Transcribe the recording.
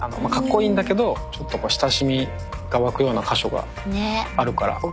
かっこいいんだけどちょっと親しみが湧くような箇所があるから。